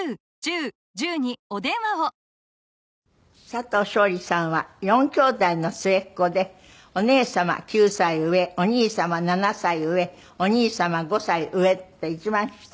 佐藤勝利さんは４きょうだいの末っ子でお姉様９歳上お兄様７歳上お兄様５歳上って一番下。